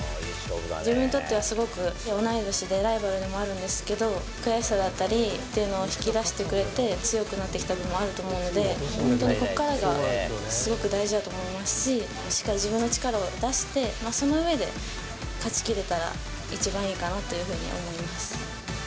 自分にとってはすごく、同い年でライバルでもあるんですけど、悔しさだったりというのを引き出してくれて、強くなってきた部分もあると思うので、本当にここからがすごく大事だと思いますし、しっかり自分の力を出して、そのうえで勝ちきれたら一番いいかなというふうに思います。